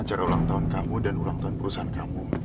acara ulang tahun kamu dan ulang tahun perusahaan kamu